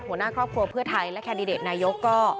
หัวหน้าครอบครัวเพื่อไทยและแคนดิเดตนายกก็